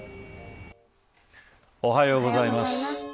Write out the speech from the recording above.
おはようございます。